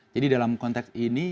jadi dalam konteks ini